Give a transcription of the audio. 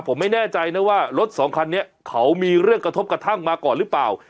ผมไม่แน่ใจนะว่ารถสองคันนี้เขามีเรื่องกระทบกระทั่งมาก่อนหรือเปล่า